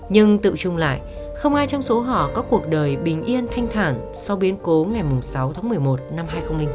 nhưng tự trung lại không ai trong số họ có cuộc đời bình yên thanh thản sau biến cố ngày sáu tháng một mươi một năm hai nghìn chín